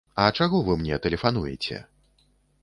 А чаго вы мне тэлефануеце?